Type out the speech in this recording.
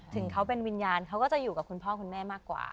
ถึงเขาเป็นวิญญาณเขาก็จะอยู่กับคุณพ่อคุณแม่มากกว่า